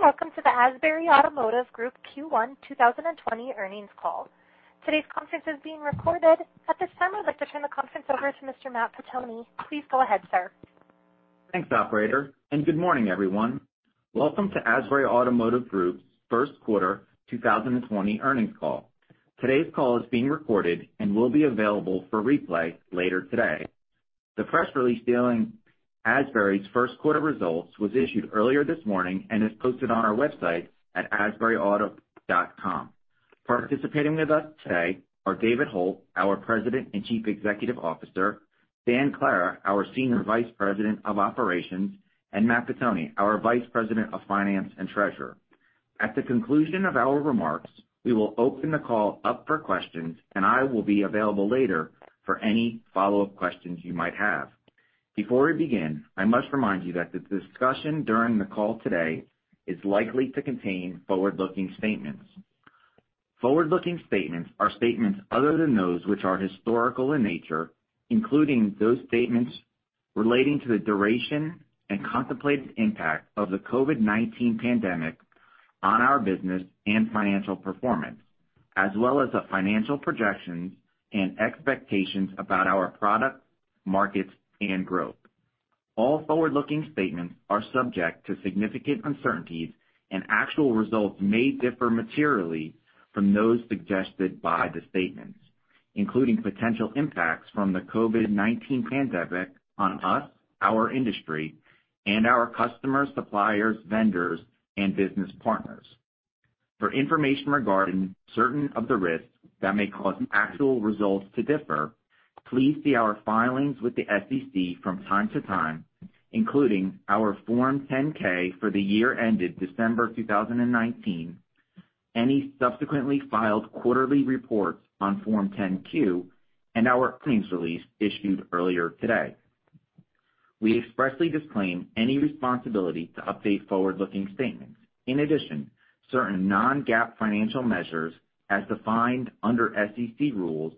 Good day, and welcome to the Asbury Automotive Group Q1 2020 Earnings Call. Today's conference is being recorded. At this time, I'd like to turn the conference over to Mr. Matt Pettoni. Please go ahead, sir. Thanks, operator. Good morning, everyone. Welcome to Asbury Automotive Group's First Quarter 2020 Earnings Call. Today's call is being recorded and will be available for replay later today. The press release dealing Asbury's first quarter results was issued earlier this morning and is posted on our website at asburyauto.com. Participating with us today are David Hult, our President and Chief Executive Officer, Dan Clara, our Senior Vice President of Operations, and Matt Pettoni, our Vice President of Finance and Treasurer. At the conclusion of our remarks, we will open the call up for questions, and I will be available later for any follow-up questions you might have. Before we begin, I must remind you that the discussion during the call today is likely to contain forward-looking statements. Forward-looking statements are statements other than those which are historical in nature, including those statements relating to the duration and contemplated impact of the COVID-19 pandemic on our business and financial performance, as well as the financial projections and expectations about our product, markets, and growth. All forward-looking statements are subject to significant uncertainties, actual results may differ materially from those suggested by the statements, including potential impacts from the COVID-19 pandemic on us, our industry, and our customers, suppliers, vendors, and business partners. For information regarding certain of the risks that may cause actual results to differ, please see our filings with the SEC from time to time, including our Form 10-K for the year ended December 2019, any subsequently filed quarterly reports on Form 10-Q, and our earnings release issued earlier today. We expressly disclaim any responsibility to update forward-looking statements. In addition, certain non-GAAP financial measures, as defined under SEC rules,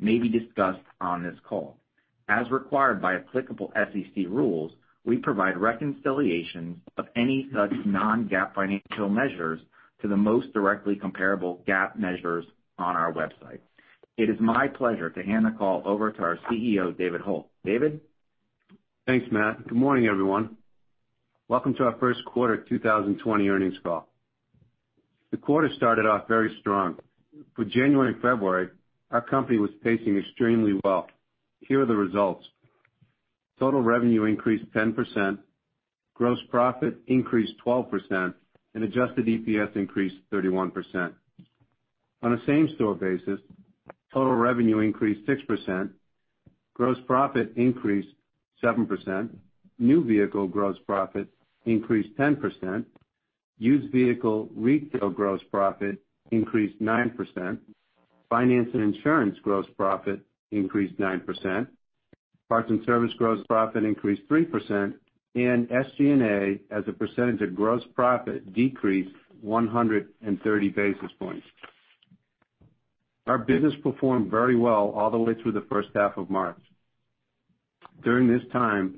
may be discussed on this call. As required by applicable SEC rules, we provide reconciliation of any such non-GAAP financial measures to the most directly comparable GAAP measures on our website. It is my pleasure to hand the call over to our CEO, David Hult. David? Thanks, Matt. Good morning, everyone. Welcome to our First Quarter 2020 Earnings Call. The quarter started off very strong. For January and February, our company was pacing extremely well. Here are the results. Total revenue increased 10%, gross profit increased 12%, and adjusted EPS increased 31%. On a same-store basis, total revenue increased 6%, gross profit increased 7%, new vehicle gross profit increased 10%, used vehicle retail gross profit increased 9%, Finance and Insurance gross profit increased 9%, parts and service gross profit increased 3%, and SG&A, as a percentage of gross profit, decreased 130 basis points. Our business performed very well all the way through the first half of March. During this time,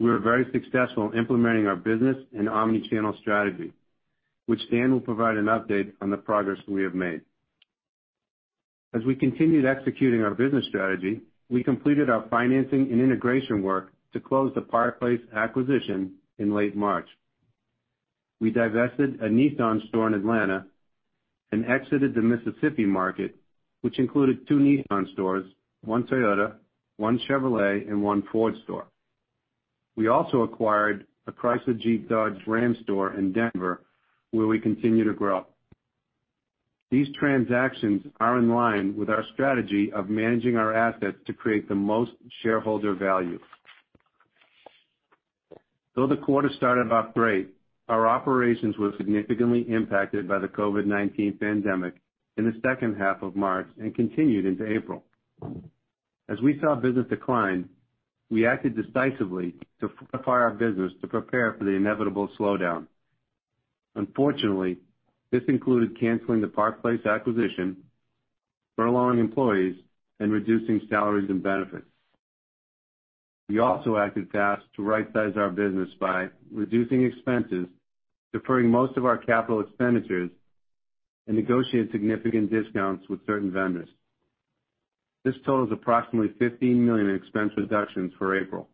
we were very successful implementing our business and omni-channel strategy, which Dan will provide an update on the progress we have made. As we continued executing our business strategy, we completed our financing and integration work to close the Park Place acquisition in late March. We divested a Nissan store in Atlanta and exited the Mississippi market, which included two Nissan stores, one Toyota, one Chevrolet, and one Ford store. We also acquired a Chrysler Jeep Dodge Ram store in Denver, where we continue to grow. These transactions are in line with our strategy of managing our assets to create the most shareholder value. Though the quarter started off great, our operations were significantly impacted by the COVID-19 pandemic in the second half of March and continued into April. As we saw business decline, we acted decisively to prep our business to prepare for the inevitable slowdown. Unfortunately, this included canceling the Park Place acquisition, furloughing employees, and reducing salaries and benefits. We also acted fast to rightsize our business by reducing expenses, deferring most of our capital expenditures, and negotiate significant discounts with certain vendors. This totals approximately $15 million in expense reductions for April.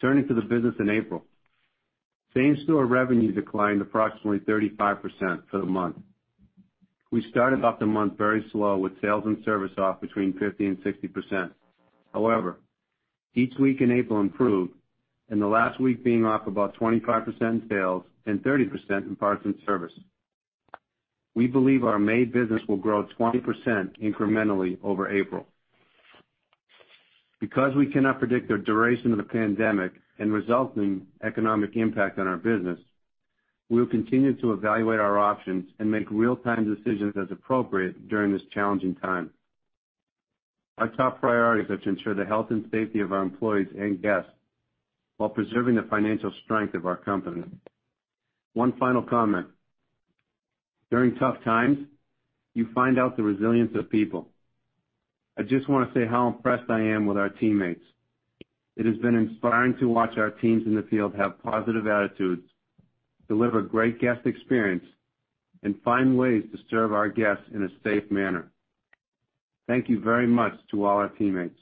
Turning to the business in April. Same-store revenue declined approximately 35% for the month. We started off the month very slow, with sales and service off between 50% and 60%. However, each week in April improved, and the last week being off about 25% in sales and 30% in parts and service. We believe our May business will grow 20% incrementally over April. Because we cannot predict the duration of the pandemic and resulting economic impact on our business, we will continue to evaluate our options and make real-time decisions as appropriate during this challenging time. Our top priority is to ensure the health and safety of our employees and guests while preserving the financial strength of our company. One final comment. During tough times, you find out the resilience of people. I just want to say how impressed I am with our teammates. It has been inspiring to watch our teams in the field have positive attitudes, deliver great guest experience, and find ways to serve our guests in a safe manner. Thank you very much to all our teammates.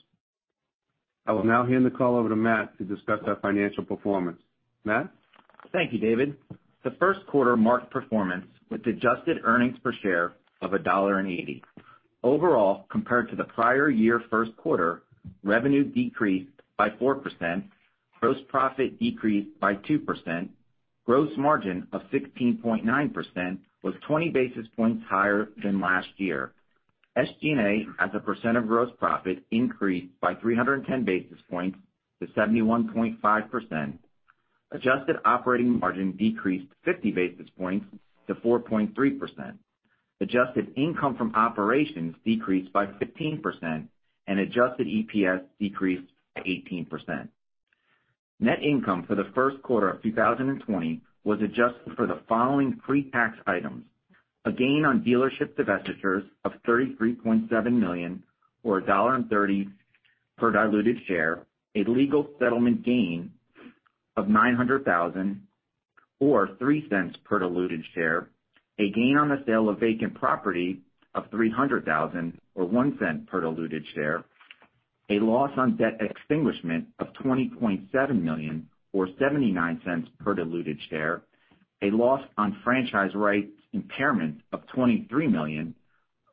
I will now hand the call over to Matt to discuss our financial performance. Matt? Thank you, David. The first quarter marked performance with adjusted earnings per share of $1.80. Overall, compared to the prior year first quarter, revenue decreased by 4%, gross profit decreased by 2%, gross margin of 16.9% was 20 basis points higher than last year. SG&A, as a percent of gross profit, increased by 310 basis points to 71.5%. Adjusted operating margin decreased 50 basis points to 4.3%. Adjusted income from operations decreased by 15%, and adjusted EPS decreased 18%. Net income for the first quarter of 2020 was adjusted for the following pre-tax items: a gain on dealership divestitures of $33.7 million, or $1.30 per diluted share, a legal settlement gain of $900,000, or $0.03 per diluted share, a gain on the sale of vacant property of $300,000, or $0.01 per diluted share, a loss on debt extinguishment of $20.7 million, or $0.79 per diluted share, a loss on franchise rights impairment of $23 million,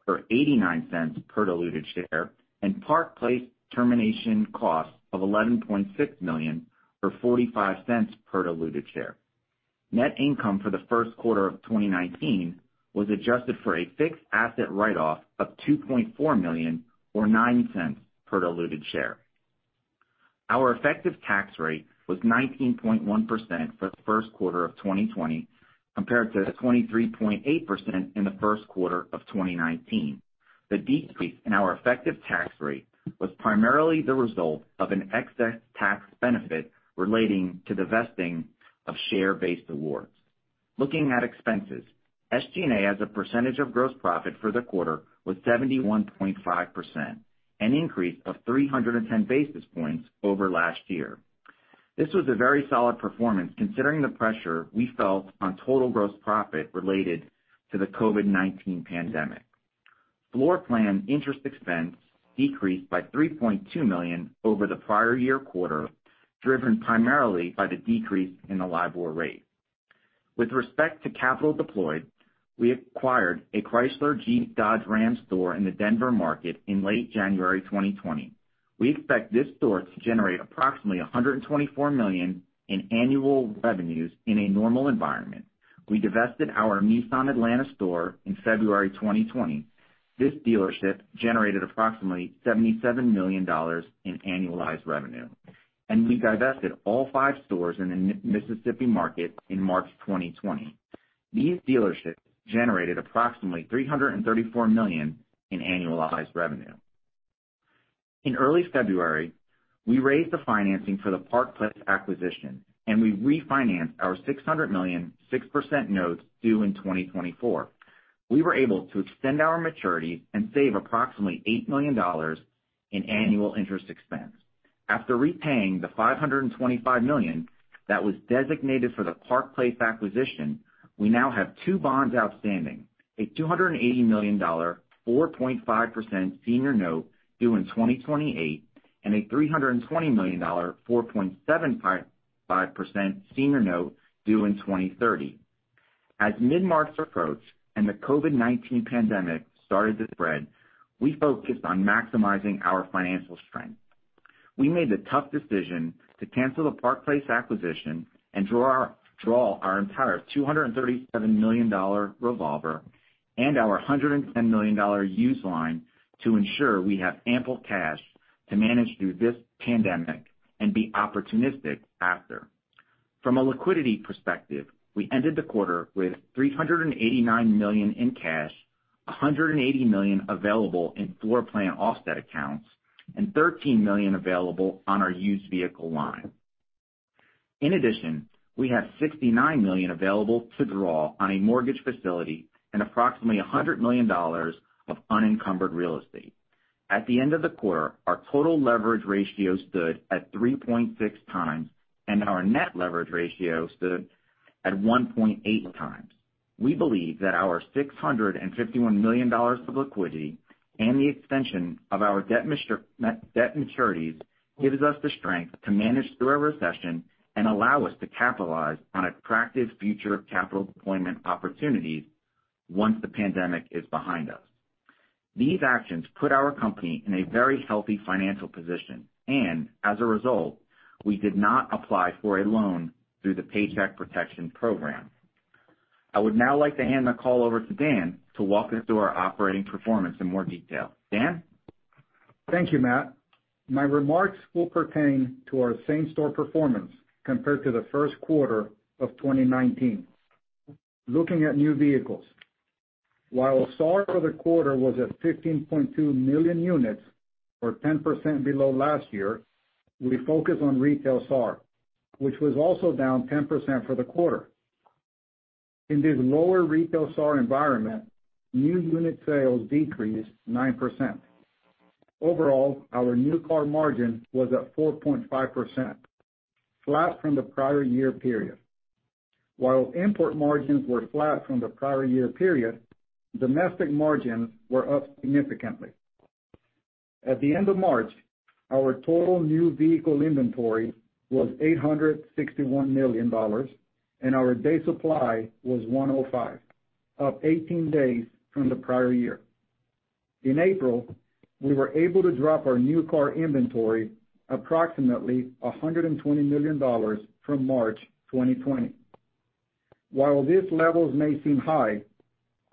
or $0.89 per diluted share, and Park Place termination cost of $11.6 million, or $0.45 per diluted share. Net income for the first quarter of 2019 was adjusted for a fixed asset write-off of $2.4 million, or $0.09 per diluted share. Our effective tax rate was 19.1% for the first quarter of 2020, compared to 23.8% in the first quarter of 2019. The decrease in our effective tax rate was primarily the result of an excess tax benefit relating to divesting of share-based awards. Looking at expenses, SG&A as a percentage of gross profit for the quarter was 71.5%, an increase of 310 basis points over last year. This was a very solid performance considering the pressure we felt on total gross profit related to the COVID-19 pandemic. Floorplan interest expense decreased by $3.2 million over the prior year quarter, driven primarily by the decrease in the LIBOR rate. With respect to capital deployed, we acquired a Chrysler Jeep Dodge Ram store in the Denver market in late January 2020. We expect this store to generate approximately $124 million in annual revenues in a normal environment. We divested our Nissan Atlanta store in February 2020. This dealership generated approximately $77 million in annualized revenue. We divested all five stores in the Mississippi market in March 2020. These dealerships generated approximately $334 million in annualized revenue. In early February, we raised the financing for the Park Place acquisition, and we refinanced our $600 million 6% notes due in 2024. We were able to extend our maturity and save approximately $8 million in annual interest expense. After repaying the $525 million that was designated for the Park Place acquisition, we now have two bonds outstanding, a $280 million 4.5% senior note due in 2028, and a $320 million 4.75% senior note due in 2030. As mid-March approached and the COVID-19 pandemic started to spread, we focused on maximizing our financial strength. We made the tough decision to cancel the Park Place acquisition and draw our entire $237 million revolver and our $110 million used line to ensure we have ample cash to manage through this pandemic and be opportunistic after. From a liquidity perspective, we ended the quarter with $389 million in cash, $180 million available in floorplan offset accounts, and $13 million available on our used vehicle line. In addition, we have $69 million available to draw on a mortgage facility and approximately $100 million of unencumbered real estate. At the end of the quarter, our total leverage ratio stood at 3.6x, and our net leverage ratio stood at 1.8x. We believe that our $651 million of liquidity and the extension of our debt maturities gives us the strength to manage through a recession and allow us to capitalize on attractive future capital deployment opportunities once the pandemic is behind us. These actions put our company in a very healthy financial position. As a result, we did not apply for a loan through the Paycheck Protection Program. I would now like to hand the call over to Dan to walk us through our operating performance in more detail. Dan? Thank you, Matt. My remarks will pertain to our same-store performance compared to the first quarter of 2019. Looking at new vehicles. While SAR for the quarter was at 15.2 million units, or 10% below last year, we focused on retail SAR, which was also down 10% for the quarter. In this lower retail SAR environment, new unit sales decreased 9%. Overall, our new car margin was at 4.5%, flat from the prior year period. While import margins were flat from the prior year period, domestic margins were up significantly. At the end of March, our total new vehicle inventory was $861 million, and our day supply was 105, up 18 days from the prior year. In April, we were able to drop our new car inventory approximately $120 million from March 2020. While these levels may seem high,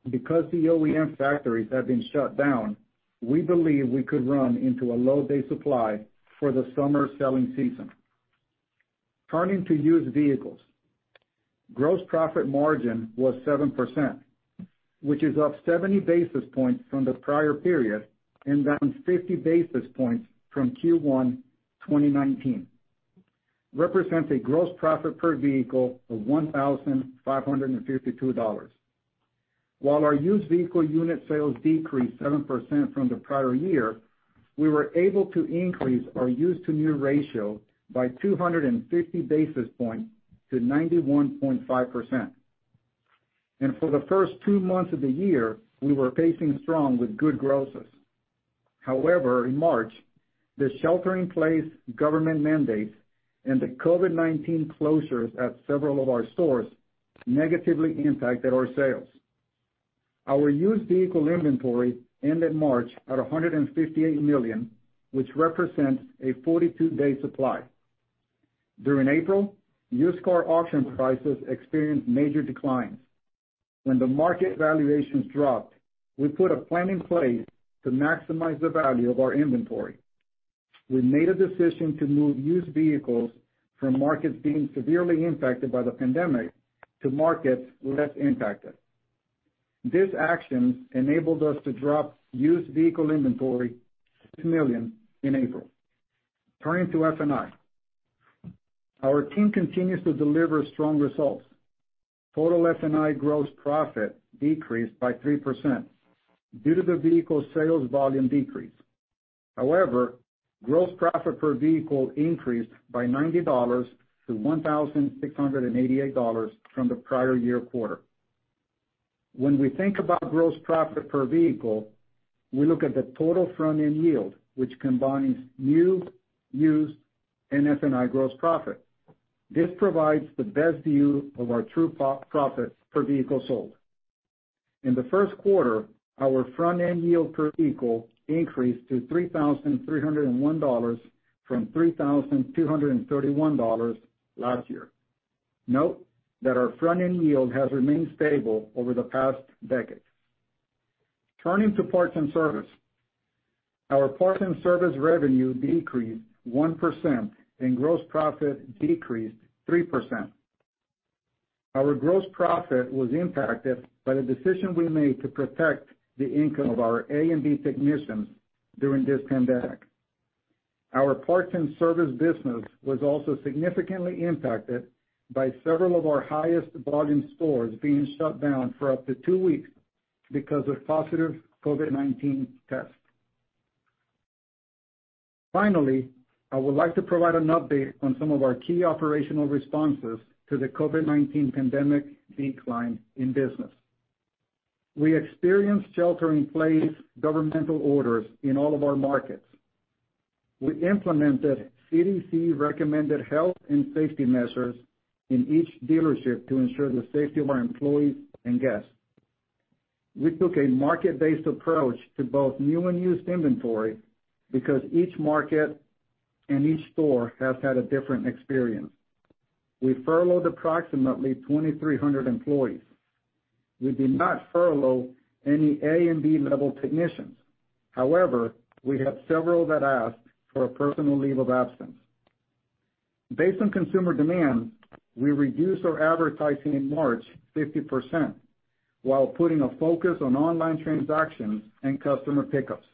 because the OEM factories have been shut down, we believe we could run into a low day supply for the summer selling season. Turning to used vehicles. Gross profit margin was 7%, which is up 70 basis points from the prior period and down 50 basis points from Q1 2019. Represents a gross profit per vehicle of $1,552. While our used vehicle unit sales decreased 7% from the prior year, we were able to increase our used to new ratio by 250 basis points to 91.5%. For the first two months of the year, we were pacing strong with good grosses. However, in March, the shelter-in-place government mandates and the COVID-19 closures at several of our stores negatively impacted our sales. Our used vehicle inventory ended March at $158 million, which represents a 42-day supply. During April, used car auction prices experienced major declines. When the market valuations dropped, we put a plan in place to maximize the value of our inventory. We made a decision to move used vehicles from markets being severely impacted by the pandemic to markets less impacted. This action enabled us to drop used vehicle inventory $6 million in April. Turning to F&I. Our team continues to deliver strong results. Total F&I gross profit decreased by 3% due to the vehicle sales volume decrease. However, gross profit per vehicle increased by $90 to $1,688 from the prior year quarter. When we think about gross profit per vehicle, we look at the total front-end yield, which combines new, used, and F&I gross profit. This provides the best view of our true profit per vehicle sold. In the first quarter, our front-end yield per vehicle increased to $3,301 from $3,231 last year. Note that our front-end yield has remained stable over the past decade. Turning to parts and service. Our parts and service revenue decreased 1%, and gross profit decreased 3%. Our gross profit was impacted by the decision we made to protect the income of our A and B technicians during this pandemic. Our parts and service business was also significantly impacted by several of our highest volume stores being shut down for up to two weeks because of positive COVID-19 tests. Finally, I would like to provide an update on some of our key operational responses to the COVID-19 pandemic decline in business. We experienced shelter-in-place governmental orders in all of our markets. We implemented CDC-recommended health and safety measures in each dealership to ensure the safety of our employees and guests. We took a market-based approach to both new and used inventory because each market and each store has had a different experience. We furloughed approximately 2,300 employees. We did not furlough any A and B-level technicians. We had several that asked for a personal leave of absence. Based on consumer demand, we reduced our advertising in March 50%, while putting a focus on online transactions and customer pickups.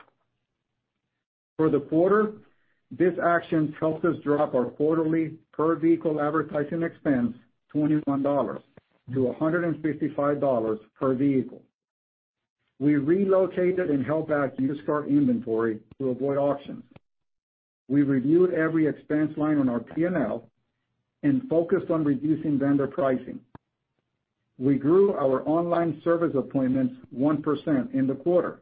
For the quarter, this action helped us drop our quarterly per vehicle advertising expense $21 to $155 per vehicle. We relocated and held back used car inventory to avoid auctions. We reviewed every expense line on our P&L and focused on reducing vendor pricing. We grew our online service appointments 1% in the quarter.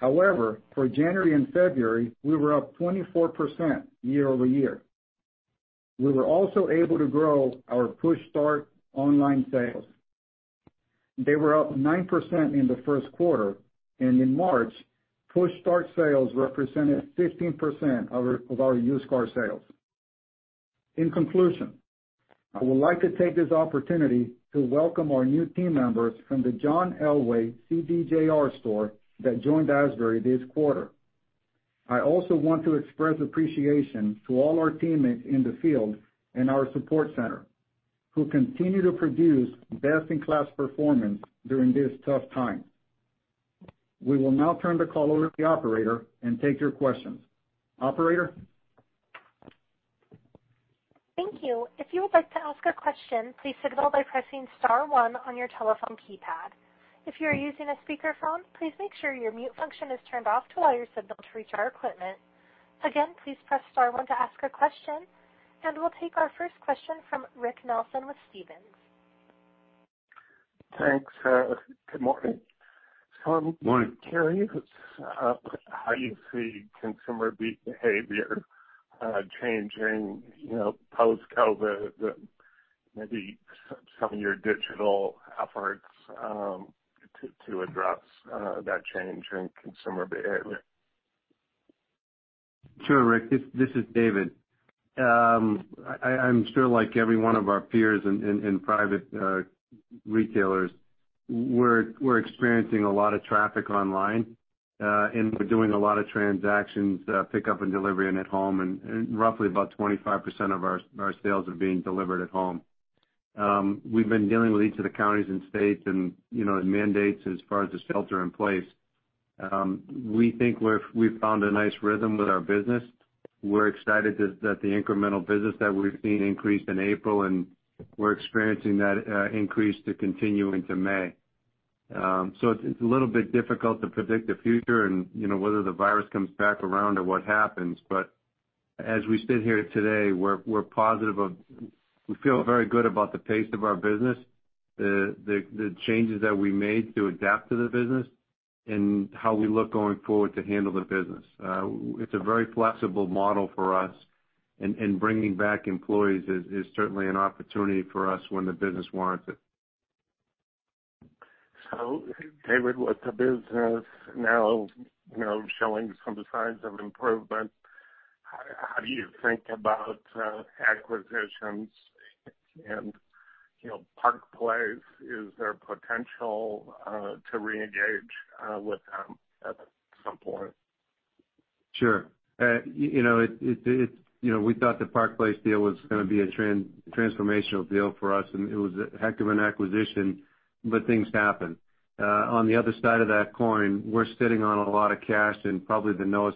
For January and February, we were up 24% year-over-year. We were also able to grow our Push Start online sales. They were up 9% in the first quarter, and in March, Push Start sales represented 15% of our used car sales. In conclusion, I would like to take this opportunity to welcome our new team members from the John Elway CDJR store that joined Asbury this quarter. I also want to express appreciation to all our teammates in the field and our support center, who continue to produce best-in-class performance during this tough time. We will now turn the call over to the Operator and take your questions. Operator? Thank you. If you would like to ask a question, please signal by pressing star one on your telephone keypad. If you are using a speakerphone, please make sure your mute function is turned off to allow your signal to reach our equipment. Again, please press star one to ask a question. We'll take our first question from Rick Nelson with Stephens. Thanks. Good morning. Morning. I'm curious how you see consumer behavior changing, post-COVID, maybe some of your digital efforts to address that change in consumer behavior. Sure, Rick. This is David. I'm sure like every one of our peers in private retailers, we're experiencing a lot of traffic online. We're doing a lot of transactions, pickup and delivery and at home, and roughly about 25% of our sales are being delivered at home. We've been dealing with each of the counties and states and mandates as far as the shelter in place. We think we've found a nice rhythm with our business. We're excited that the incremental business that we've seen increased in April, and we're experiencing that increase to continue into May. It's a little bit difficult to predict the future and whether the virus comes back around or what happens, but as we sit here today, we feel very good about the pace of our business, the changes that we made to adapt to the business, and how we look going forward to handle the business. It's a very flexible model for us, and bringing back employees is certainly an opportunity for us when the business warrants it. David, with the business now showing some signs of improvement, how do you think about acquisitions and Park Place? Is there potential to reengage with them at some point? Sure. We thought the Park Place deal was going to be a transformational deal for us, and it was a heck of an acquisition. Things happen. On the other side of that coin, we're sitting on a lot of cash and probably the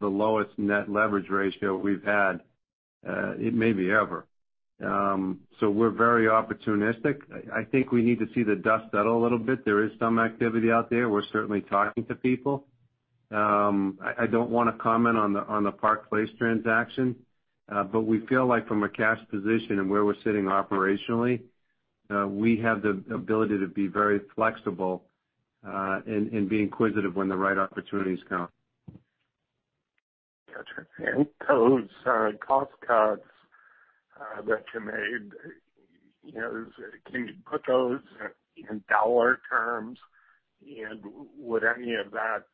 lowest net leverage ratio we've had, maybe ever. We're very opportunistic. I think we need to see the dust settle a little bit. There is some activity out there. We're certainly talking to people. I don't want to comment on the Park Place transaction. We feel like from a cash position and where we're sitting operationally, we have the ability to be very flexible, and be inquisitive when the right opportunities come. Got you. Those cost cuts that you made, can you put those in dollar terms, and would any of that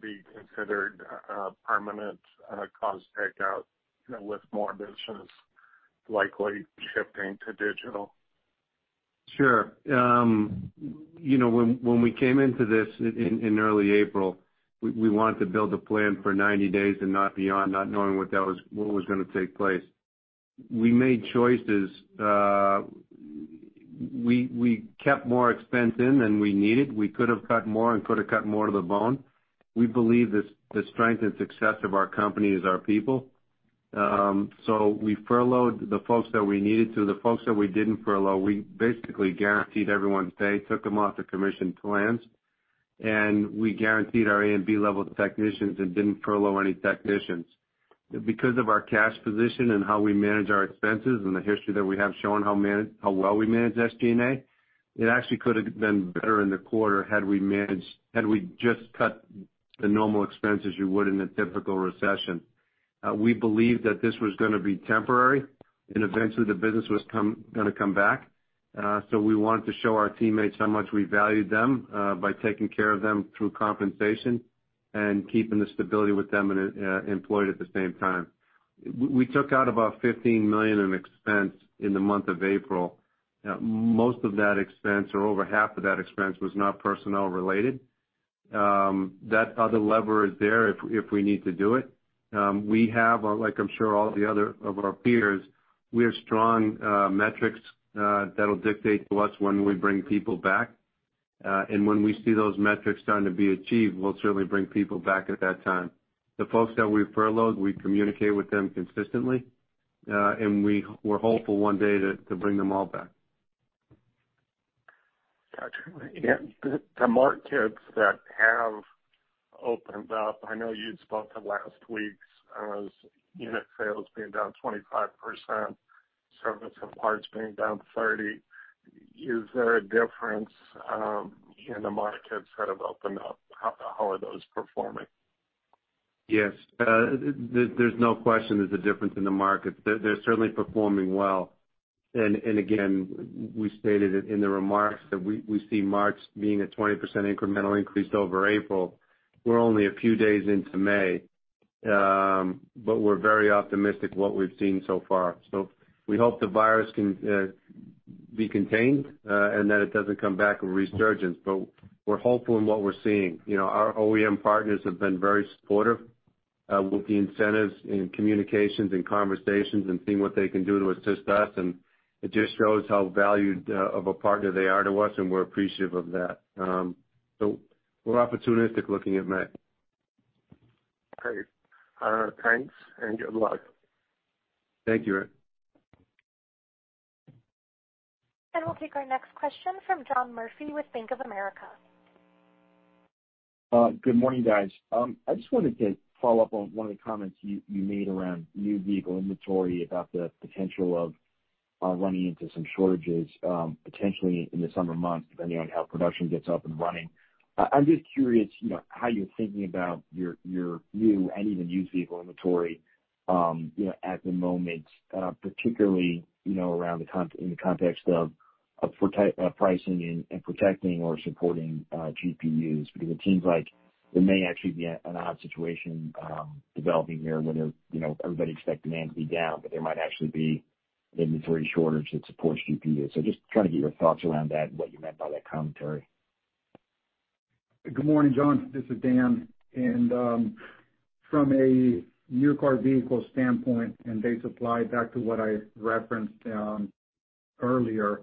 be considered a permanent cost takeout with more business likely shifting to digital? When we came into this in early April, we wanted to build a plan for 90 days and not beyond, not knowing what was going to take place. We made choices. We kept more expense in than we needed. We could have cut more and could have cut more to the bone. We believe the strength and success of our company is our people. We furloughed the folks that we needed to. The folks that we didn't furlough, we basically guaranteed everyone's pay, took them off the commission plans, and we guaranteed our A and B level technicians and didn't furlough any technicians. Because of our cash position and how we manage our expenses and the history that we have shown how well we manage SG&A, it actually could have been better in the quarter had we just cut the normal expenses you would in a typical recession. We believed that this was going to be temporary, and eventually the business was going to come back. We wanted to show our teammates how much we valued them by taking care of them through compensation and keeping the stability with them and employed at the same time. We took out about $15 million in expense in the month of April. Most of that expense or over half of that expense was not personnel related. That other lever is there if we need to do it. We have, like I'm sure all the other of our peers, we have strong metrics that'll dictate to us when we bring people back. When we see those metrics starting to be achieved, we'll certainly bring people back at that time. The folks that we furloughed, we communicate with them consistently. We're hopeful one day to bring them all back. Got you. The markets that have opened up, I know you'd spoken last week as unit sales being down 25%, service and parts being down 30%. Is there a difference in the markets that have opened up? How are those performing? Yes. There's no question there's a difference in the markets. They're certainly performing well. Again, we stated it in the remarks that we see March being a 20% incremental increase over April. We're only a few days into May. We're very optimistic what we've seen so far. We hope the virus can be contained, and that it doesn't come back with a resurgence. We're hopeful in what we're seeing. Our OEM partners have been very supportive, with the incentives in communications and conversations and seeing what they can do to assist us, and it just shows how valued of a partner they are to us, and we're appreciative of that. We're opportunistic looking at May. Great. All right, thanks, and good luck. Thank you, Rick. We'll take our next question from John Murphy with Bank of America. Good morning, guys. I just wanted to follow up on one of the comments you made around new vehicle inventory about the potential of running into some shortages, potentially in the summer months, depending on how production gets up and running. I'm just curious, how you're thinking about your new and even used vehicle inventory at the moment, particularly in the context of pricing and protecting or supporting GPUs. It seems like there may actually be an odd situation developing here where everybody expects demand to be down, but there might actually be an inventory shortage that supports GPU. Just trying to get your thoughts around that and what you meant by that commentary. Good morning, John. This is Dan. From a new car vehicle standpoint and day supply, back to what I referenced earlier,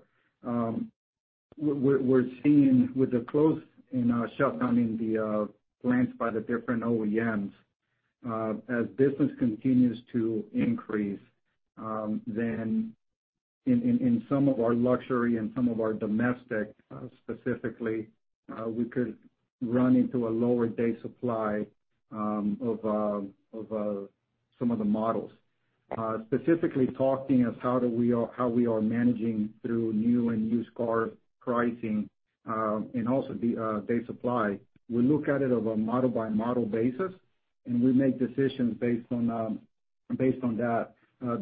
we're seeing with the close in our shutting down the plants by the different OEMs, as business continues to increase, then in some of our luxury and some of our domestic specifically, we could run into a lower day supply of some of the models. Specifically talking of how we are managing through new and used car pricing, and also day supply, we look at it of a model-by-model basis, and we make decisions based on that.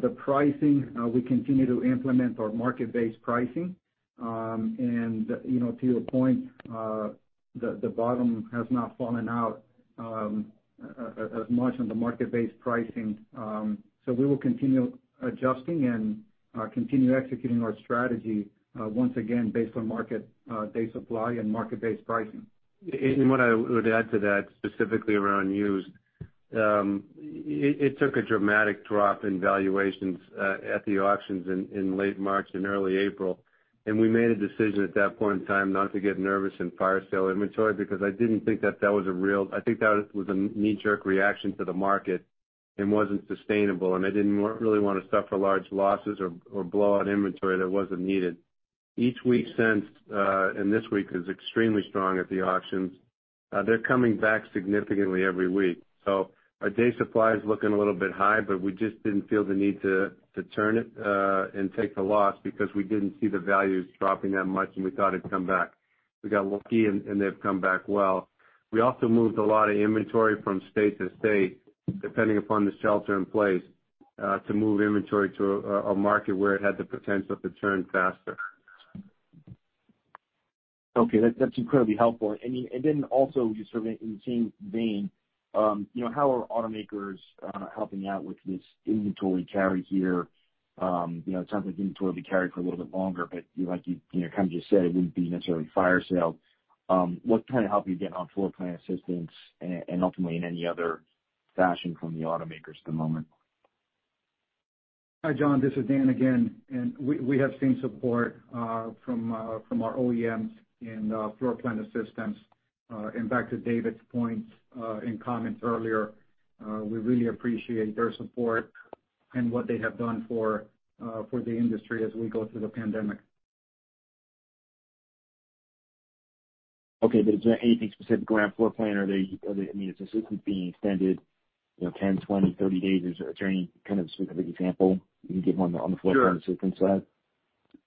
The pricing, we continue to implement our market-based pricing. To your point, the bottom has not fallen out as much on the market-based pricing. We will continue adjusting and continue executing our strategy, once again, based on market day supply and market-based pricing. What I would add to that, specifically around used, it took a dramatic drop in valuations at the auctions in late March and early April, we made a decision at that point in time not to get nervous and fire sale inventory, because I think that was a knee-jerk reaction to the market and wasn't sustainable, and I didn't really want to suffer large losses or blow out inventory that wasn't needed. Each week since, and this week is extremely strong at the auctions, they're coming back significantly every week. Our day supply is looking a little bit high, but we just didn't feel the need to turn it and take the loss because we didn't see the values dropping that much, and we thought it'd come back. We got lucky, and they've come back well. We also moved a lot of inventory from state to state, depending upon the shelter in place, to move inventory to a market where it had the potential to turn faster. Okay. That's incredibly helpful. Then also, just in the same vein, how are automakers helping out with this inventory carry here? It sounds like inventory will be carried for a little bit longer, but like you kind of just said, it wouldn't be necessarily fire sale. What kind of help are you getting on floor plan assistance and ultimately in any other fashion from the automakers at the moment? Hi, John. This is Dan again. We have seen support from our OEMs in floor plan assistance. Back to David's point in comments earlier, we really appreciate their support and what they have done for the industry as we go through the pandemic. Okay. Is there anything specific around floor plan? Is assistance being extended 10, 20, 30 days? Is there any kind of specific example you can give on the floor plan assistance side? Sure.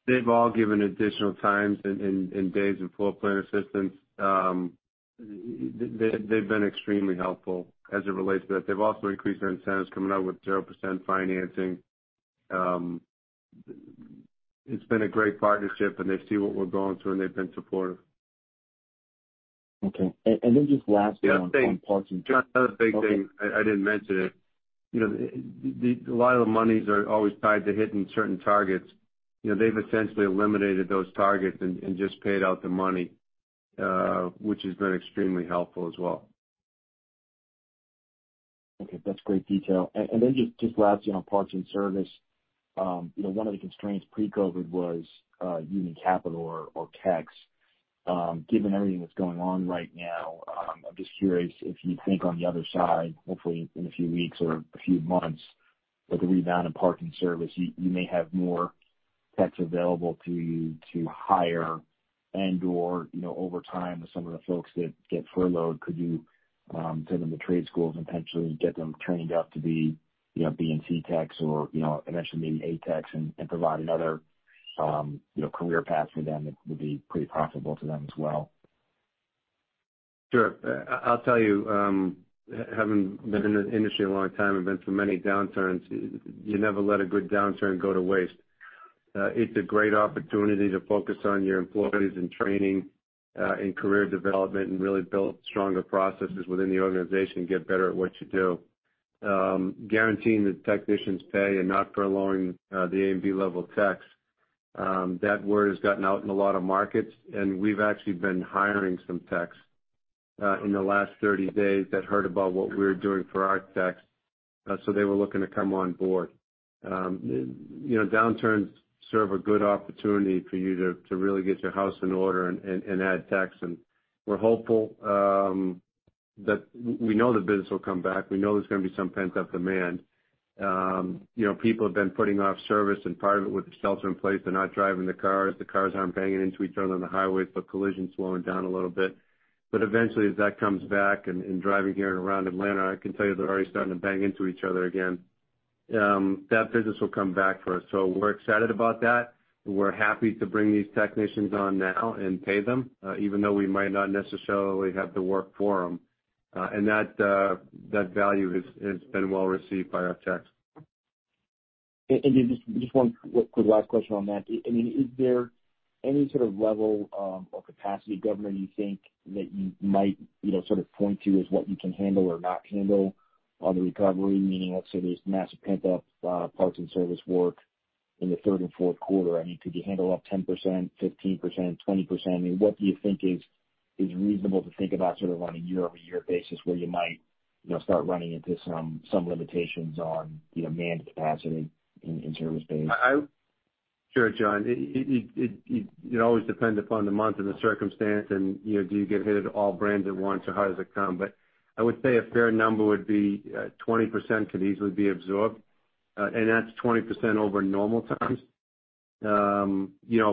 They've all given additional times and days in floor plan assistance. They've been extremely helpful as it relates to that. They've also increased their incentives, coming out with 0% financing. It's been a great partnership, and they see what we're going through, and they've been supportive. Okay. just last one on parts. The other thing, John, the other big thing, I didn't mention it. A lot of the monies are always tied to hitting certain targets. They've essentially eliminated those targets and just paid out the money, which has been extremely helpful as well. Okay. That's great detail. Then just last, parts and service. One of the constraints pre-COVID-19 was union capital or techs. Given everything that's going on right now, I'm just curious if you think on the other side, hopefully in a few weeks or a few months, with a rebound in parts and service, you may have more techs available to you to hire and/or over time with some of the folks that get furloughed, could you send them to trade schools and potentially get them trained up to be B and C techs or eventually maybe A techs and provide another career path for them that would be pretty profitable to them as well? Sure. I'll tell you, having been in this industry a long time and been through many downturns, you never let a good downturn go to waste. It's a great opportunity to focus on your employees and training and career development and really build stronger processes within the organization and get better at what you do. Guaranteeing the technicians' pay and not furloughing the A and B-level techs. That word has gotten out in a lot of markets, and we've actually been hiring some techs in the last 30 days that heard about what we're doing for our techs, so they were looking to come on board. Downturns serve a good opportunity for you to really get your house in order and add techs. We know the business will come back. We know there's going to be some pent-up demand. People have been putting off service, and part of it with the shelter in place, they're not driving the cars. The cars aren't banging into each other on the highways, so collisions slowing down a little bit. Eventually, as that comes back and driving here and around Atlanta, I can tell you they're already starting to bang into each other again. That business will come back for us. We're excited about that. We're happy to bring these technicians on now and pay them, even though we might not necessarily have the work for them. That value has been well received by our techs. Just one quick last question on that. Is there any sort of level of capacity governing, you think, that you might sort of point to as what you can handle or not handle on the recovery? Meaning let's say there's massive pent-up parts and service work in the third and fourth quarter. Could you handle up 10%, 15%, 20%? What do you think is reasonable to think about sort of on a year-over-year basis where you might start running into some limitations on man capacity in service bays? Sure, John. It always depends upon the month and the circumstance and do you get hit at all brands at once, or how does it come? I would say a fair number would be 20% could easily be absorbed, and that's 20% over normal times.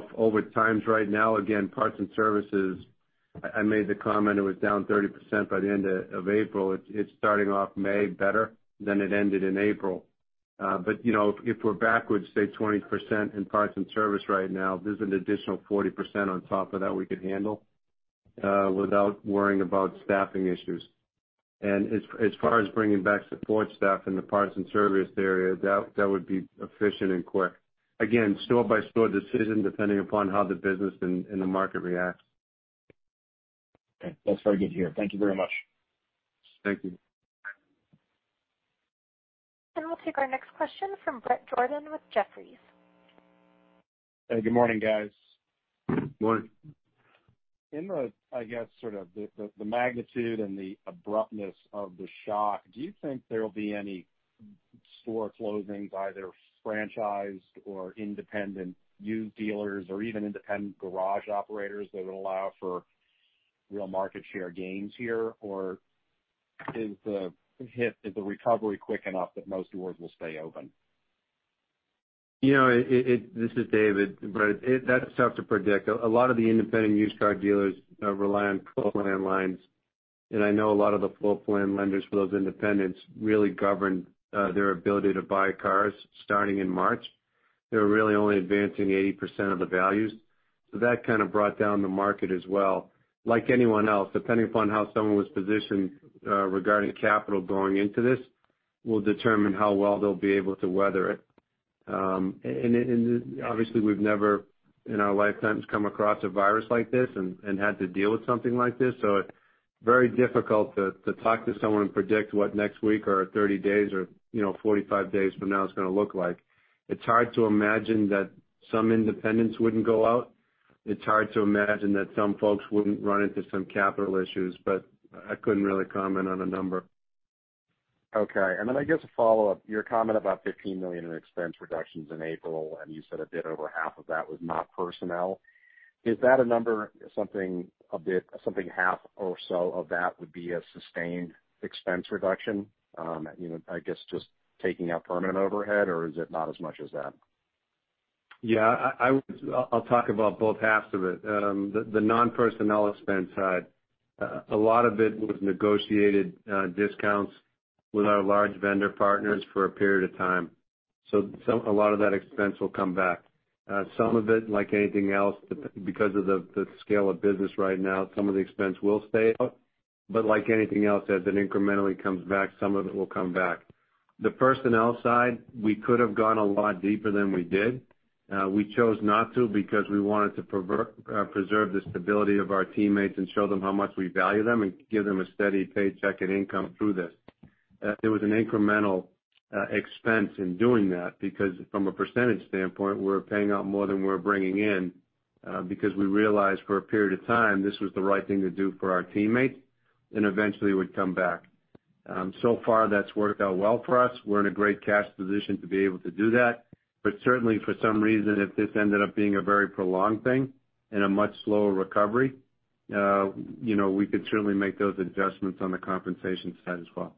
Over times right now, again, parts and services, I made the comment it was down 30% by the end of April. It's starting off May better than it ended in April. If we're backwards, say, 20% in parts and service right now, there's an additional 40% on top of that we could handle without worrying about staffing issues. As far as bringing back support staff in the parts and service area, that would be efficient and quick. Again, store-by-store decision, depending upon how the business and the market reacts. Okay. That's very good to hear. Thank you very much. Thank you. We'll take our next question from Bret Jordan with Jefferies. Hey, good morning, guys. Morning. I guess sort of the magnitude and the abruptness of the shock, do you think there will be any store closings, either franchised or independent used dealers or even independent garage operators that would allow for real market share gains here? Is the recovery quick enough that most doors will stay open? This is David. Bret, that's tough to predict. A lot of the independent used car dealers rely on floorplan lines, and I know a lot of the floorplan lenders for those independents really govern their ability to buy cars starting in March. They were really only advancing 80% of the values. That kind of brought down the market as well. Like anyone else, depending upon how someone was positioned regarding capital going into this, will determine how well they'll be able to weather it. Obviously, we've never in our lifetimes come across a virus like this and had to deal with something like this. It's very difficult to talk to someone and predict what next week or 30 days or 45 days from now is going to look like. It's hard to imagine that some independents wouldn't go out. It's hard to imagine that some folks wouldn't run into some capital issues, but I couldn't really comment on a number. Okay. I guess a follow-up, your comment about $15 million in expense reductions in April, you said a bit over half of that was not personnel. Is that a number something half or so of that would be a sustained expense reduction? I guess just taking out permanent overhead, or is it not as much as that? Yeah. I'll talk about both halves of it. The non-personnel expense side a lot of it was negotiated discounts with our large vendor partners for a period of time. A lot of that expense will come back. Some of it, like anything else, because of the scale of business right now, some of the expense will stay out. Like anything else, as it incrementally comes back, some of it will come back. The personnel side, we could have gone a lot deeper than we did. We chose not to because we wanted to preserve the stability of our teammates and show them how much we value them and give them a steady paycheck and income through this. There was an incremental expense in doing that because from a percentage standpoint, we're paying out more than we're bringing in because we realized for a period of time this was the right thing to do for our teammates, and eventually it would come back. Far, that's worked out well for us. We're in a great cash position to be able to do that. Certainly, for some reason, if this ended up being a very prolonged thing and a much slower recovery, we could certainly make those adjustments on the compensation side as well.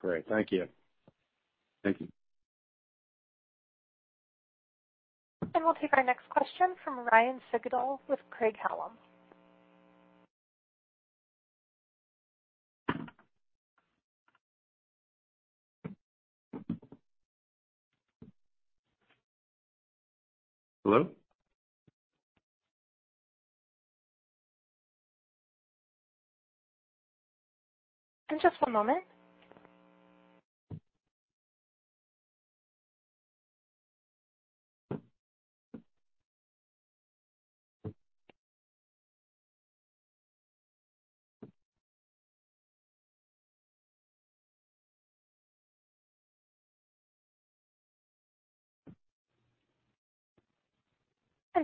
Great. Thank you. Thank you. We'll take our next question from Ryan Sigdahl with Craig-Hallum. Hello? Just one moment.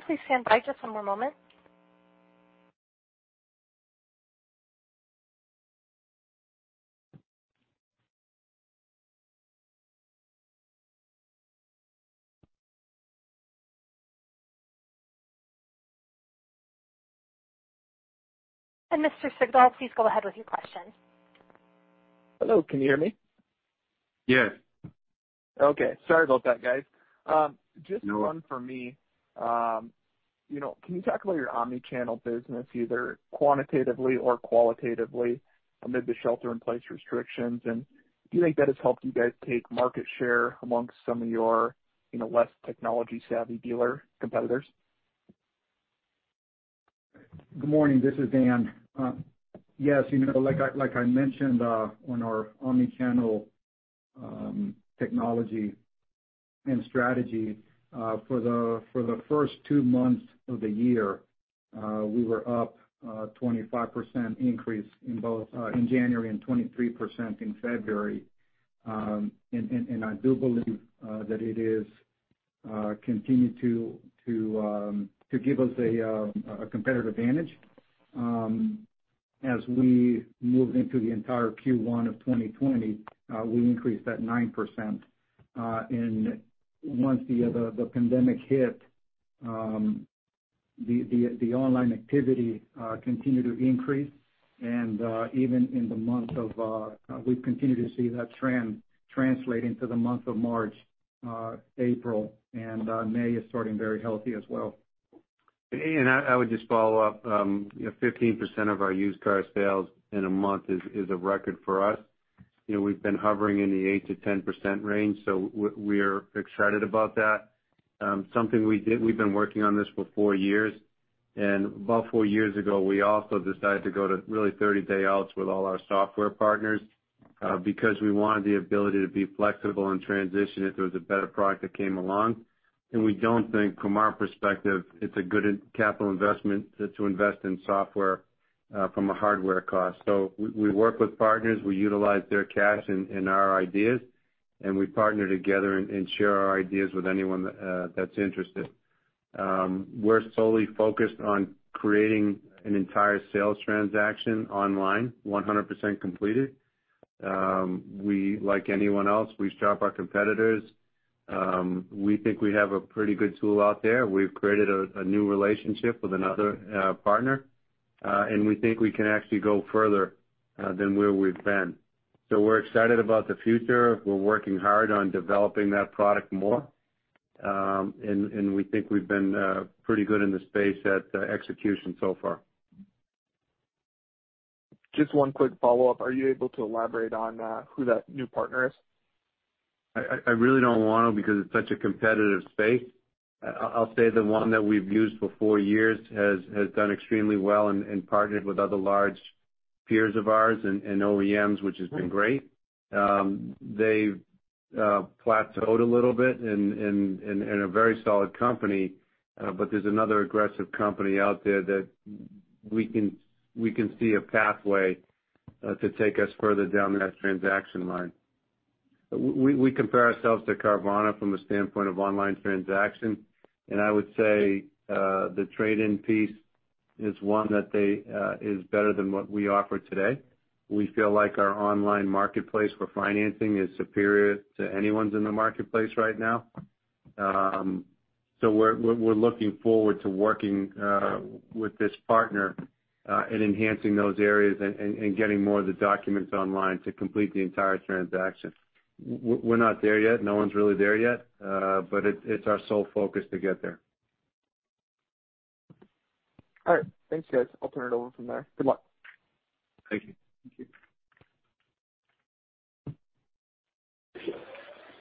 Please stand by just one more moment. Mr. Sigdahl, please go ahead with your question. Hello, can you hear me? Yes. Okay. Sorry about that guys. No. Just one for me. Can you talk about your omni-channel business, either quantitatively or qualitatively amid the shelter-in-place restrictions? Do you think that has helped you guys take market share amongst some of your less technology savvy dealer competitors? Good morning. This is Dan. Yes, like I mentioned on our omni-channel technology and strategy, for the first two months of the year, we were up 25% increase in January and 23% in February. I do believe that it has continued to give us a competitive advantage. As we moved into the entire Q1 2020, we increased that 9%. Once the pandemic hit, the online activity continued to increase. We've continued to see that trend translate into the month of March, April, and May is starting very healthy as well. I would just follow up. 15% of our used car sales in a month is a record for us. We've been hovering in the 8%-10% range, so we're excited about that. We've been working on this for four years, and about four years ago, we also decided to go to really 30-day outs with all our software partners because we wanted the ability to be flexible and transition if there was a better product that came along. We don't think, from our perspective, it's a good capital investment to invest in software from a hardware cost. We work with partners, we utilize their cash and our ideas, and we partner together and share our ideas with anyone that's interested. We're solely focused on creating an entire sales transaction online, 100% completed. Like anyone else, we shop our competitors. We think we have a pretty good tool out there. We've created a new relationship with another partner, and we think we can actually go further than where we've been. We're excited about the future. We're working hard on developing that product more. We think we've been pretty good in the space at execution so far. Just one quick follow-up. Are you able to elaborate on who that new partner is? I really don't want to because it's such a competitive space. I'll say the one that we've used for four years has done extremely well and partnered with other large peers of ours and OEMs, which has been great. They've plateaued a little bit in a very solid company. There's another aggressive company out there that we can see a pathway to take us further down that transaction line. We compare ourselves to Carvana from a standpoint of online transaction. I would say the trade-in piece is one that is better than what we offer today. We feel like our online marketplace for financing is superior to anyone's in the marketplace right now. We're looking forward to working with this partner in enhancing those areas and getting more of the documents online to complete the entire transaction. We're not there yet. No one's really there yet, but it's our sole focus to get there. All right, thanks guys. I'll turn it over from there. Good luck. Thank you. Thank you.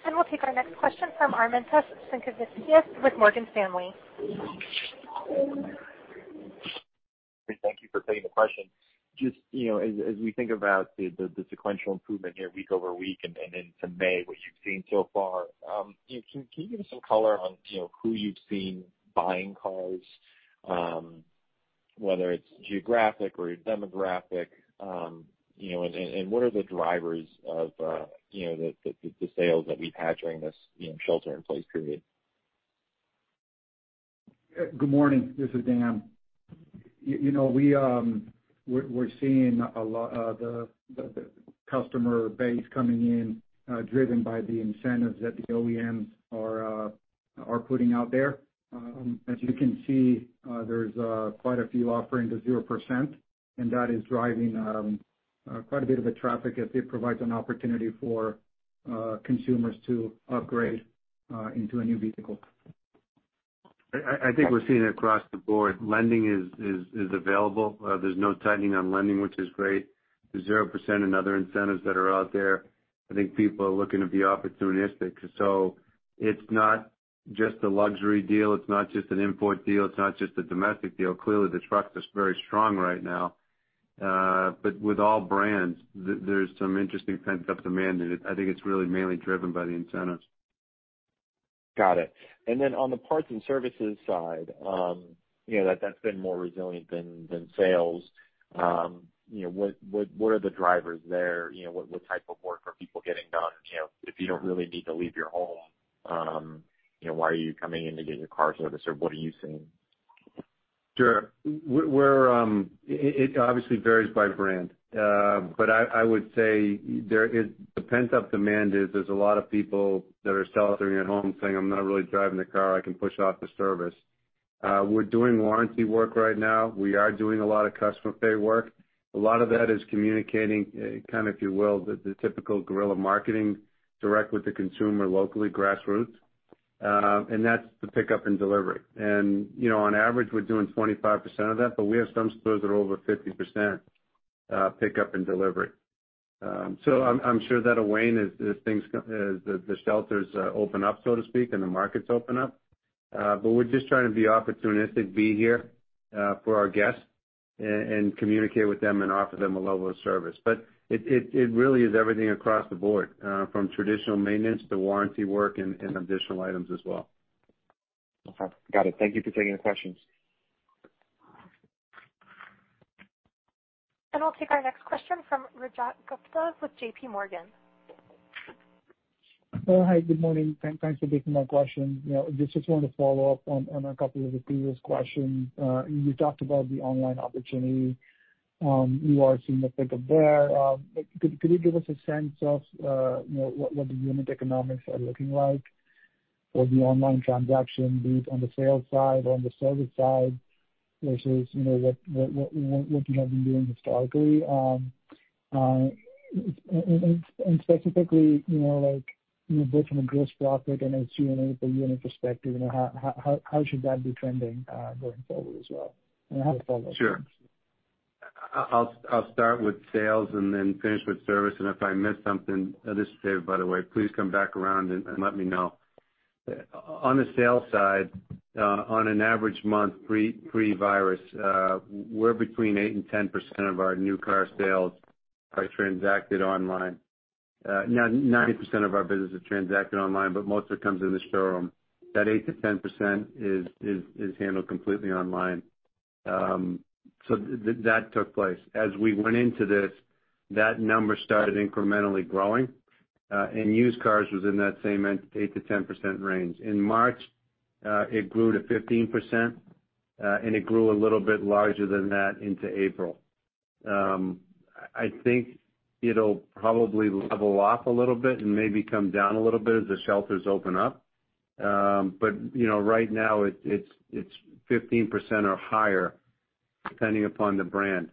We'll take our next question from Armintas Sinkevicius with Morgan Stanley. Thank you for taking the question. Just as we think about the sequential improvement here week over week and into May, what you've seen so far, can you give us some color on who you've seen buying cars, whether it's geographic or demographic? What are the drivers of the sales that we've had during this shelter-in-place period? Good morning. This is Dan. We're seeing the customer base coming in driven by the incentives that the OEMs are putting out there. As you can see, there's quite a few offering the 0%, and that is driving quite a bit of a traffic as it provides an opportunity for consumers to upgrade into a new vehicle. I think we're seeing it across the board. Lending is available. There's no tightening on lending, which is great. The 0% and other incentives that are out there, I think people are looking to be opportunistic. It's not just a luxury deal, it's not just an import deal, it's not just a domestic deal. Clearly, the trucks are very strong right now. With all brands, there's some interesting pent-up demand, and I think it's really mainly driven by the incentives. Got it. On the parts and services side, that's been more resilient than sales. What are the drivers there? What type of work are people getting done? If you don't really need to leave your home, why are you coming in to get your car serviced? What are you seeing? Sure. It obviously varies by brand. I would say, the pent-up demand is, there's a lot of people that are sheltering at home saying, I'm not really driving the car. I can push off the service. We're doing warranty work right now. We are doing a lot of customer pay work. A lot of that is communicating, kind of, if you will, the typical guerrilla marketing direct with the consumer locally, grassroots. That's the pickup and delivery. On average, we're doing 25% of that, but we have some stores that are over 50% pickup and delivery. I'm sure that'll wane as the shelters open up, so to speak, and the markets open up. We're just trying to be opportunistic, be here for our guests and communicate with them and offer them a level of service. It really is everything across the board, from traditional maintenance to warranty work and additional items as well. Okay. Got it. Thank you for taking the questions. I'll take our next question from Rajat Gupta with J.P. Morgan. Hi, good morning. Thanks for taking my question. Just wanted to follow up on a couple of the previous questions. You talked about the online opportunity. You are seeing the pickup there. Could you give us a sense of what the unit economics are looking like for the online transaction, be it on the sales side or on the service side, versus what you have been doing historically? Specifically, both from a gross profit and a G&A per unit perspective, how should that be trending going forward as well? I have a follow-up. Sure. I'll start with sales and then finish with service. If I miss something, this is Dave, by the way, please come back around and let me know. On the sales side, on an average month pre-COVID-19, we're between 8% and 10% of our new car sales are transacted online. 90% of our business is transacted online, but most of it comes in the showroom. That 8%-10% is handled completely online. That took place. As we went into this, that number started incrementally growing, and used cars was in that same 8%-10% range. In March, it grew to 15%, and it grew a little bit larger than that into April. I think it'll probably level off a little bit and maybe come down a little bit as the shelters open up. Right now, it's 15% or higher, depending upon the brand.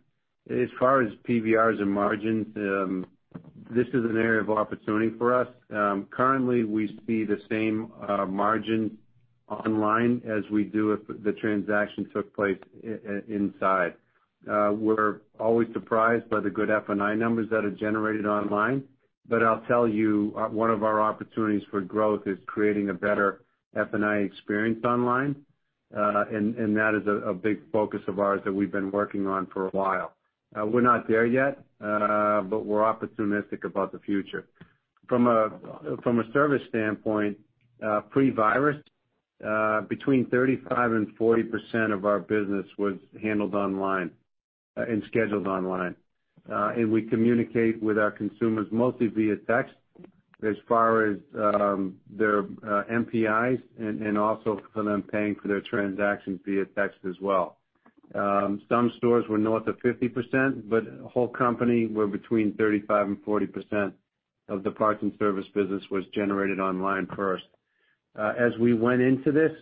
As far as PVRs and margins, this is an area of opportunity for us. Currently, we see the same margin online as we do if the transaction took place inside. We're always surprised by the good F&I numbers that are generated online. I'll tell you, one of our opportunities for growth is creating a better F&I experience online, and that is a big focus of ours that we've been working on for a while. We're not there yet, but we're opportunistic about the future. From a service standpoint, pre-virus, between 35% and 40% of our business was handled online and scheduled online. We communicate with our consumers mostly via text as far as their MPIs and also for them paying for their transactions via text as well. Some stores were north of 50%, but whole company were between 35% and 40% of the parts and service business was generated online first. As we went into this,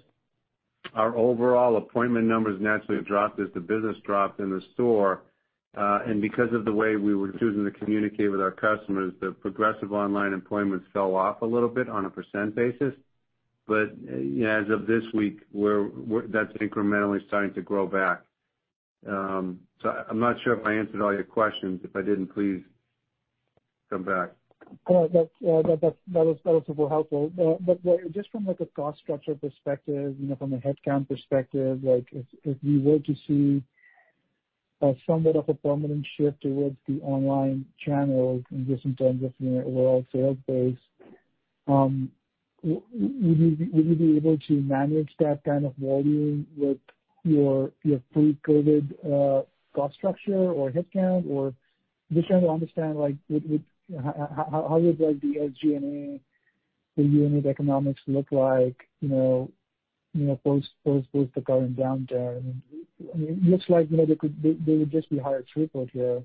our overall appointment numbers naturally have dropped as the business dropped in the store. Because of the way we were choosing to communicate with our customers, the progressive online appointments fell off a little bit on a percent basis. As of this week, that's incrementally starting to grow back. I'm not sure if I answered all your questions. If I didn't, please come back. That was super helpful. Just from a cost structure perspective, from a headcount perspective, if we were to see somewhat of a permanent shift towards the online channel, just in terms of your overall sales base, would you be able to manage that kind of volume with your pre-COVID-19 cost structure or headcount? I'm just trying to understand how would the SG&A, the unit economics look like post the current downturn? It looks like there would just be higher throughput here.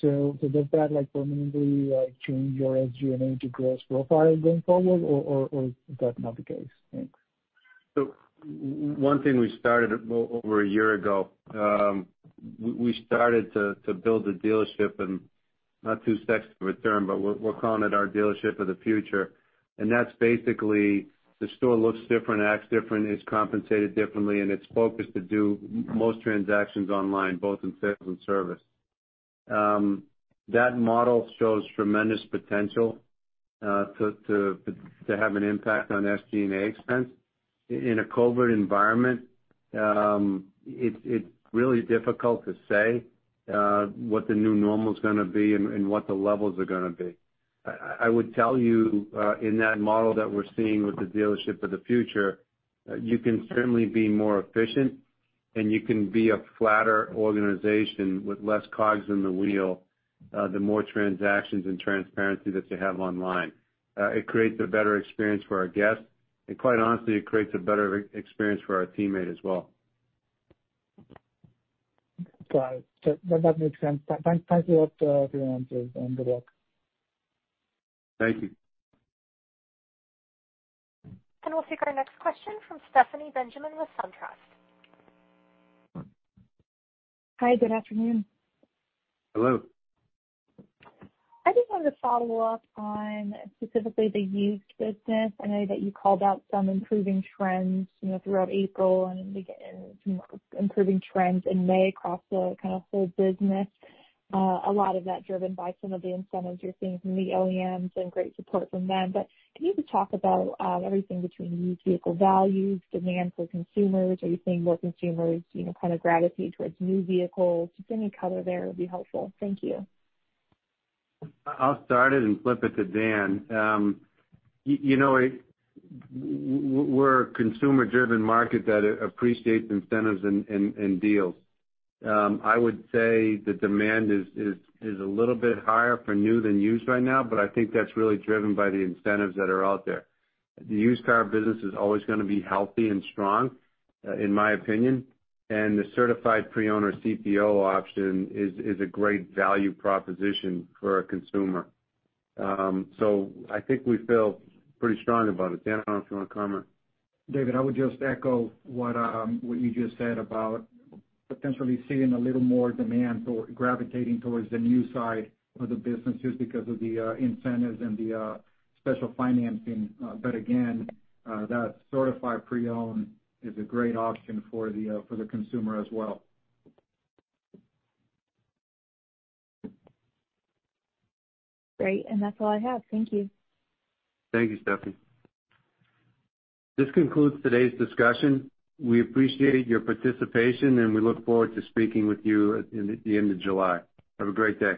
Does that permanently change your SG&A to gross profile going forward, or is that not the case? Thanks. One thing we started over a year ago, we started to build a dealership, and not too sexy of a term, but we're calling it our dealership of the future. That's basically the store looks different, acts different, is compensated differently, and it's focused to do most transactions online, both in sales and service. That model shows tremendous potential to have an impact on SG&A expense. In a COVID-19 environment, it's really difficult to say what the new normal is going to be and what the levels are going to be. I would tell you, in that model that we're seeing with the dealership of the future, you can certainly be more efficient, and you can be a flatter organization with less cogs in the wheel, the more transactions and transparency that you have online. It creates a better experience for our guests, and quite honestly, it creates a better experience for our teammate as well. Got it. That makes sense. Thank you for your answers, and good luck. Thank you. We'll take our next question from Stephanie Benjamin with SunTrust. Hi, good afternoon. Hello. I just wanted to follow up on specifically the used business. I know that you called out some improving trends throughout April and improving trends in May across the whole business. A lot of that driven by some of the incentives you're seeing from the OEMs and great support from them. Can you just talk about everything between used vehicle values, demand for consumers? Are you seeing more consumers gravitate towards new vehicles? Just any color there would be helpful. Thank you. I'll start it and flip it to Dan. We're a consumer-driven market that appreciates incentives and deals. I would say the demand is a little bit higher for new than used right now, but I think that's really driven by the incentives that are out there. The used car business is always going to be healthy and strong, in my opinion. The certified pre-owned or CPO option is a great value proposition for a consumer. I think we feel pretty strong about it. Dan, I don't know if you want to comment. David, I would just echo what you just said about potentially seeing a little more demand gravitating towards the new side of the business just because of the incentives and the special financing. Again, that certified pre-owned is a great option for the consumer as well. Great, that's all I have. Thank you. Thank you, Stephanie. This concludes today's discussion. We appreciate your participation, and we look forward to speaking with you at the end of July. Have a great day.